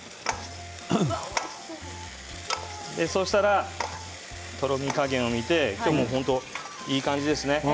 そうしたらとろみ加減を見ていい感じですね。